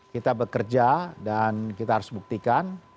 kita bekerja dan kita harus buktikan